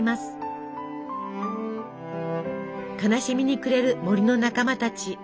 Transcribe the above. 悲しみに暮れる森の仲間たち。